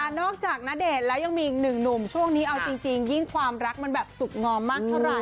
นอกจากณเดชน์แล้วยังมีอีกหนึ่งหนุ่มช่วงนี้เอาจริงยิ่งความรักมันแบบสุขงอมมากเท่าไหร